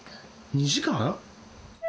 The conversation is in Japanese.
２時間？